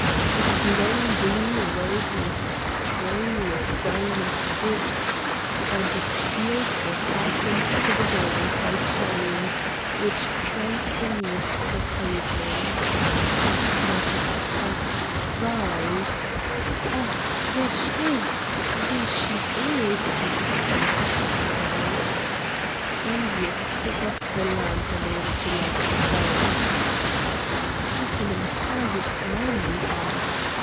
Its long blue robe was strewn with diamond discs, and its heels were fastened to the ground by chains which sank beneath the pavement. Matho suppressed a cry. "Ah! there she is! there she is!" he stammered out. Spendius took up the lamp in order to light himself. "What an impious man you are!"